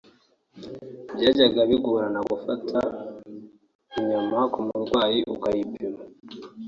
Byajyaga bigorana gufata inyama ku murwayi ukayipima